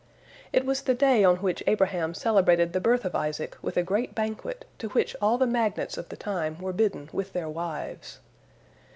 It was the day on which Abraham celebrated the birth of Isaac with a great banquet, to which all the magnates of the time were bidden with their wives.